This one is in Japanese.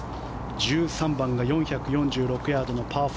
１３番が４４６ヤードのパー４。